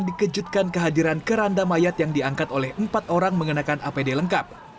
dikejutkan kehadiran keranda mayat yang diangkat oleh empat orang mengenakan apd lengkap